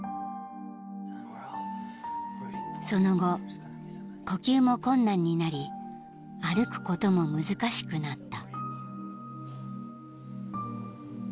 ［その後呼吸も困難になり歩くことも難しくなった］